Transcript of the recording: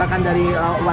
untuk bahan membuat ketupat